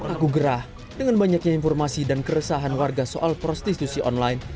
aku gerah dengan banyaknya informasi dan keresahan warga soal prostitusi online